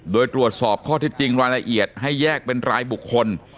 โดยตรวจสอบข้อที่จริงรายละเอียดให้แยกเป็นรายบุคคล